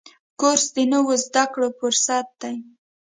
کورس د نویو زده کړو فرصت دی.